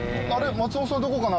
松本さんどこかな？」